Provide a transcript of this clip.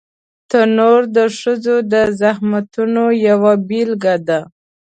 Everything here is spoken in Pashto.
تنور د ښځو د زحمتونو یوه بېلګه ده